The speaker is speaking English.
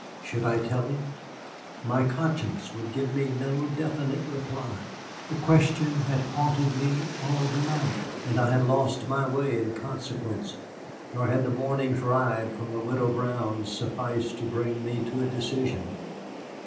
Should I tell him? My conscience would give me no definite reply. The question had haunted me all the night, and I had lost my way in consequence, nor had the morning's ride from the Widow Brown's sufficed to bring me to a decision.